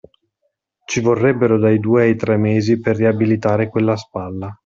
Ci vorrebbero dai due ai tre mesi per riabilitare quella spalla.